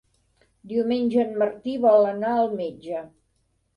Diumenge en Martí vol anar al metge.